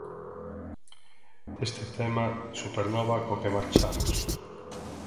Esta tema, Supernova, co que marchamos.